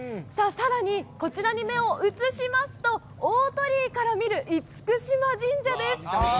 さらに、こちらに目を移しますと、大鳥居から見る厳島神社です。